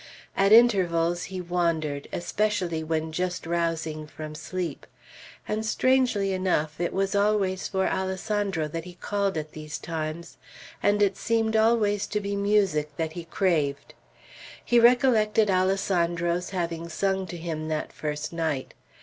At intervals he wandered, especially when just arousing from sleep; and, strangely enough, it was always for Alessandro that he called at these times, and it seemed always to be music that he craved. He recollected Alessandro's having sung to him that first night.